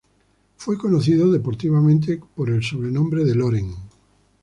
Fue conocido deportivamente por el sobrenombre de Loren.